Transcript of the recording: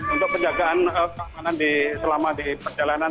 untuk penjagaan keamanan selama di perjalanan